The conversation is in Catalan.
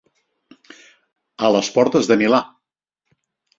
A les portes de Milà.